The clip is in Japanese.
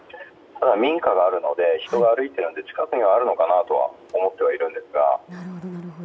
民家があるので人が歩いているので近くにはあるのかなと思ってはいるんですが。